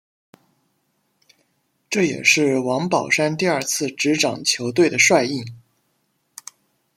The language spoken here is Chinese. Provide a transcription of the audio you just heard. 这也是王宝山第二次执掌球队的帅印。